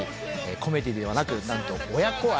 コメディーではなくなんと親子愛！